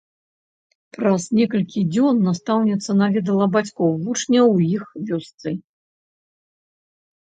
Праз некалькі дзён настаўніца наведала бацькоў вучня ў іх вёсцы.